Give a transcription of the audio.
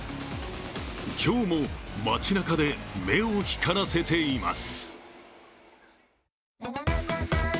今日も街なかで目を光らせています。